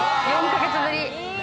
４か月ぶり。